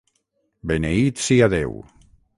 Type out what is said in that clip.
Beneït sia Déu.